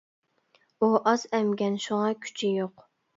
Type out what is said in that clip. ئۇ ئاز ئەمگەن شۇڭا كۈچى يوق.